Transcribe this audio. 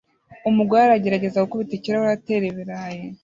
Umugore aragerageza gukubita ikirahure atera ibirayi